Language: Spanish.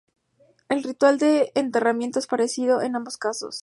El ritual de enterramiento es parecido en ambos casos.